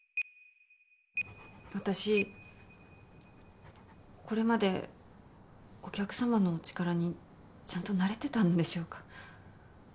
私これまでお客様のお力にちゃんとなれてたんでしょうか。